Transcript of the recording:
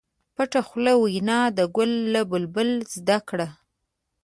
پټه خوله وینا د ګل له بلبل زده کړه.